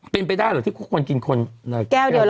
เป็นไปได้หรือที่คุณกินคุณแก้วเดียว